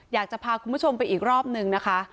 อยากจะพาคุณผู้ชมไปอีกรอบนึงนะคะ